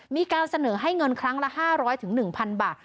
มีการเสนอให้เงินครั้งละห้าร้อยถึงหนึ่งพันบาท